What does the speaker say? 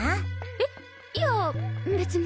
えっいや別に。